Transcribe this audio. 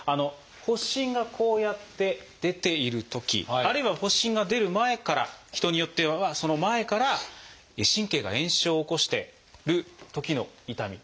発疹がこうやって出ているときあるいは発疹が出る前から人によってはその前から神経が炎症を起こしてるときの痛み。